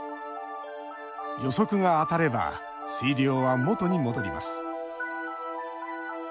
予測が当たれば水量は元に戻ります。